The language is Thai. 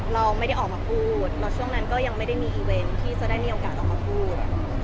เราไม่ได้ออกมาพูดช่วงนั้นไม่มีอีเว้นที่จะได้มีโอกาสออกมาพูด